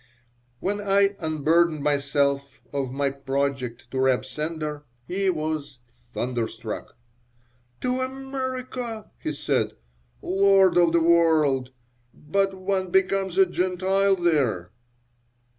When I unburdened myself of my project to Reb Sender he was thunderstruck "To America!" he said. "Lord of the World! But one becomes a Gentile there."